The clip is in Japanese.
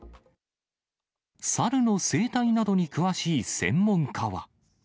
猿の生態などに詳しい専門家は。